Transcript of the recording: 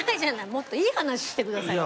もっといい話してくださいよ。